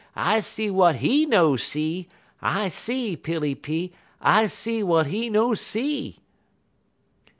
I see w'at he no see! I see, pilly pee, I see, w'at he no see!